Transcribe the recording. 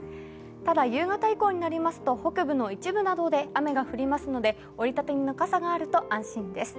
ただ、夕方以降になりますと北部の一部などで雨が降りますので、折り畳みの傘があると安心です。